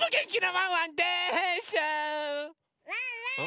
ワンワーン！